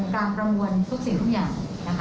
การรังวลทุกสิ่งทุกอย่าง